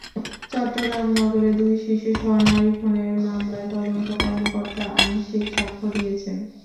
চট্টগ্রাম নগরে দুই শিশুসহ নারী খুনের মামলায় তদন্ত কর্মকর্তা আংশিক সাক্ষ্য দিয়েছেন।